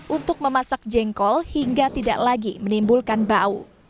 untuk memasak jengkol hingga tidak lagi menimbulkan bau